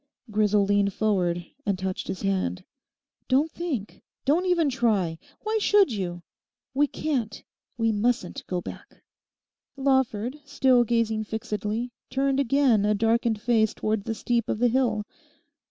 Grisel leaned forward and touched his hand. 'Don't think; don't even try. Why should you? We can't; we mustn't go back.' Lawford, still gazing fixedly, turned again a darkened face towards the steep of the hill.